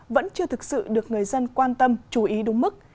vẫn chưa thực sự được người dân quan tâm chú ý đúng mức